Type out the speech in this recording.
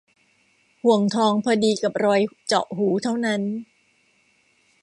ห่วงทองพอดีกับรอยเจาะหูเท่านั้น